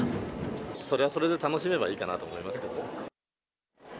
それはそれで楽しめばいいかなと思いますけど。